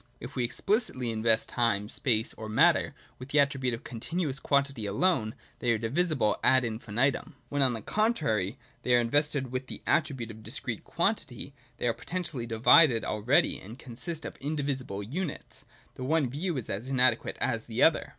If we explicitly invest time, space, or matter with the attribute of Continuous quantity alone, they are divisible ad infinitum. When, on the contrary, they are invested with the attribute of Discrete quantity, they are potentially divided al ready, and consist of indivisible units. The one view is as inadequate as the other.